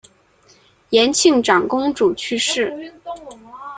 延庆长公主去世。